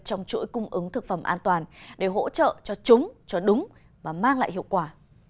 trong chuỗi cung ứng thực phẩm an toàn để hỗ trợ cho chúng cho đúng và mang lại hiệu quả